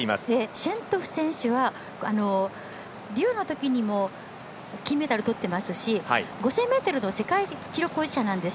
シェントゥフ選手はリオのときにも金メダルをとってますし５０００ｍの世界記録保持者なんです。